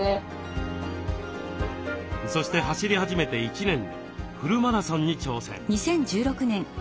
そして走り始めて１年でフルマラソンに挑戦。